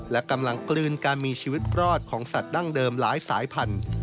และกำลังกลืนการมีชีวิตรอดของสัตว์ดั้งเดิมหลายสายพันธุ์